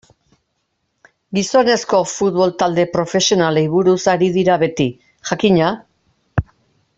Gizonezko futbol talde profesionalei buruz ari dira beti, jakina.